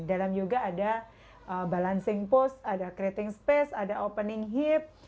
dalam yoga ada balancing post ada creating space ada opening hip